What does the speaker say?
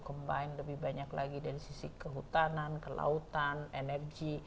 combine lebih banyak lagi dari sisi kehutanan kelautan energi